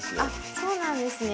そうなんですね？